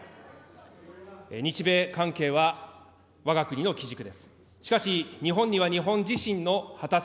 日米関係はわが国の基軸です。